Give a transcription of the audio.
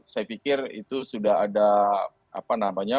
saya pikir itu sudah ada apa namanya